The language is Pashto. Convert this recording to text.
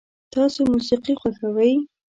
تاسو موسیقي خوښوئ؟